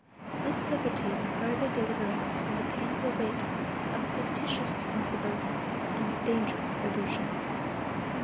This liberty will further deliver us from the painful weight of a fictitious responsibility and a dangerous illusion.